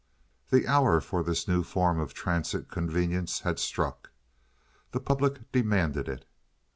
The hour for this new form of transit convenience had struck. The public demanded it.